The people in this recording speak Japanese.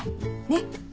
ねっ。